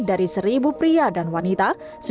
dari seribu pria dan wanita